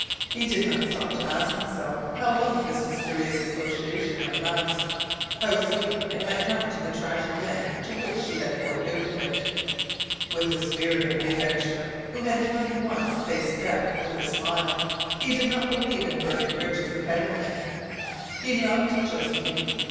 He did not stop to ask himself how long this mysterious association might last, how soon it might come to the tragic end to which she had foredoomed it. With the spirit of the adventurer who had more than once faced death with a smile, he did not believe in burning bridges ahead of him. He loved Josephine.